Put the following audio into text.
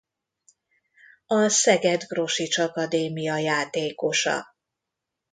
A Szeged-Grosics Akadémia játékosa.